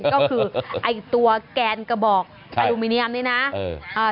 ก็คือไอ้ตัวแกนกระบอกอลูมิเนียมนี่นะ